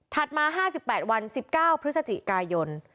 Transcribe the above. มา๕๘วัน๑๙พฤศจิกายน